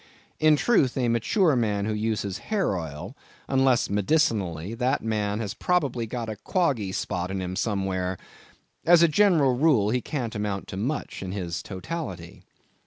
In truth, a mature man who uses hair oil, unless medicinally, that man has probably got a quoggy spot in him somewhere. As a general rule, he can't amount to much in his totality.